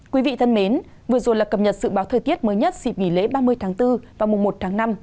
quý vị thân mến vừa rồi là cập nhật dự báo thời tiết mới nhất dịp nghỉ lễ ba mươi tháng bốn và mùa một tháng năm